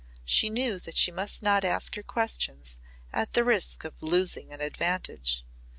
She knew that she must not ask her questions at the risk of "losing an advantage."